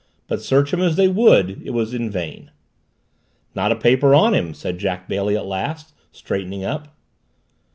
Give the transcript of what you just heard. But search him as they would it was in vain. "Not a paper on him," said Jack Bailey at last, straightening up.